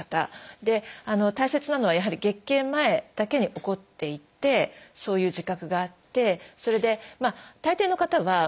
大切なのはやはり月経前だけに起こっていてそういう自覚があってそれで大抵の方はあれ？